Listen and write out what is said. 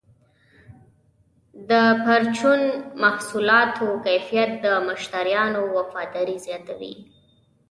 د پرچون محصولاتو کیفیت د مشتریانو وفاداري زیاتوي.